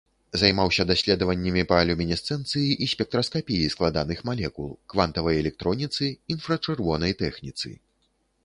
Займаўся даследаваннямі па люмінесцэнцыі і спектраскапіі складаных малекул, квантавай электроніцы, інфрачырвонай тэхніцы.